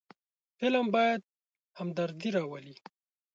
فلم باید همدردي راولي